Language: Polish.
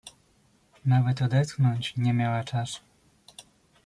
"Nawet odetchnąć nie miała czasu."